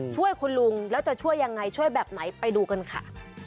ช่วยคุณลุงแล้วจะช่วยยังไงช่วยแบบไหนไปดูกันค่ะ